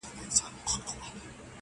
بدراتلونکی دې مستانه حال کي کړې بدل,